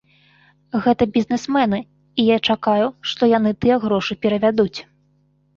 Гэта бізнесмены, і я чакаю, што яны тыя грошы перавядуць.